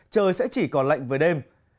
trời sẽ chỉ còn lạnh với đêm